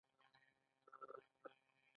دې ته الهام اخیستل شوی ایجاد وایي.